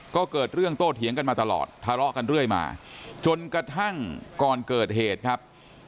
ก็เกิดเรื่องโตเถียงกันมาตลอดทะเลาะกันเรื่อยมาจนกระทั่งก่อนเกิดเหตุครับ